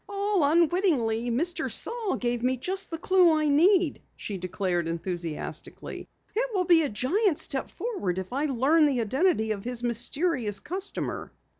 "All unwittingly, Mr. Saal gave me just the clue I need," she declared enthusiastically. "It will be a gigantic step forward if I learn the identity of his mysterious customer."